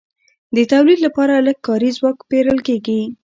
د تولید لپاره لږ کاري ځواک پېرل کېږي